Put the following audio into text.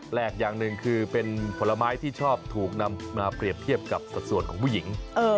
อย่างหนึ่งคือเป็นผลไม้ที่ชอบถูกนำมาเปรียบเทียบกับสัดส่วนของผู้หญิง